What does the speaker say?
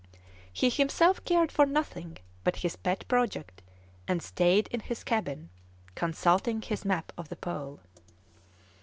He himself cared for nothing but his pet project, and stayed in his cabin, consulting his map of the Pole.